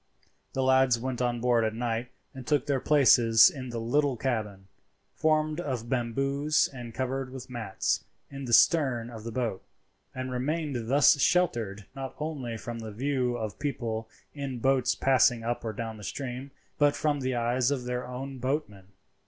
The lads went on board at night and took their places in the little cabin, formed of bamboos and covered with mats, in the stern of the boat, and remained thus sheltered not only from the view of people in boats passing up or down the stream, but from the eyes of their own boatmen.